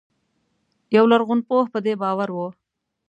یو لرغونپوه په دې باور و.